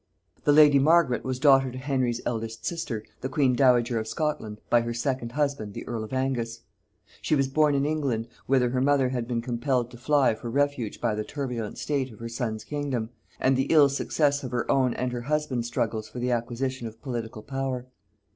The lady Margaret was daughter to Henry's eldest sister, the queen dowager of Scotland, by her second husband the earl of Angus. She was born in England, whither her mother had been compelled to fly for refuge by the turbulent state of her son's kingdom, and the ill success of her own and her husband's struggles for the acquisition of political power.